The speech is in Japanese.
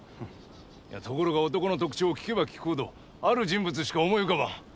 いやところが男の特徴を聞けば聞くほどある人物しか思い浮かばん。